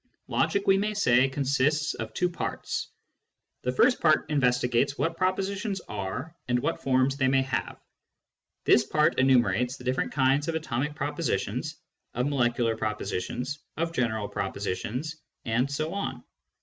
Logic, we may say, consists of two parts. The first part investigates what propositions are and what forms they may have ; this part enumerates the different kinds of atomic propositions, of molecular propositions, of general propositions, and so on.